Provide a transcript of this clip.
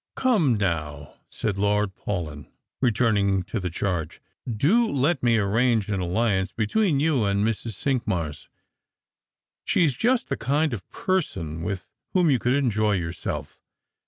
" Come, now," said Lord Paulyn, returning to the charge, •' do let me arrange an alliance between you and Mrs. Cinq mars. She's just the kind of person with whom you could enjoy yourself.